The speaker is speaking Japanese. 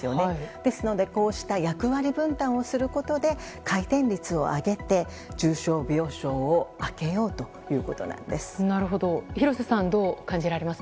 ですのでこうした役割分担をすることで回転率を上げて、重症病床を空けようということなんです。